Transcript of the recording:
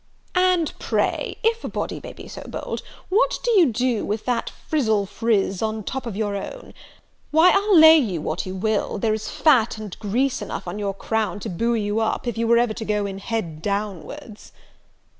"And pray, if a body may be so bold, what do you do with that frizle frize top of your own? Why, I'll lay you what you will, there is fat and grease enough on your crown to buoy you up, if you were to go in head downwards."